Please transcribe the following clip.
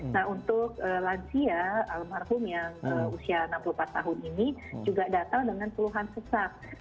nah untuk lansia almarhum yang usia enam puluh empat tahun ini juga datang dengan keluhan sesak